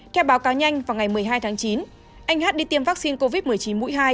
theo báo cáo nhanh vào ngày một mươi hai tháng chín anh hát đi tiêm vaccine covid một mươi chín mũi hai